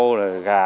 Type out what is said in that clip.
rồi là gà